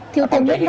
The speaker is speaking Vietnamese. thiêu thông nhất là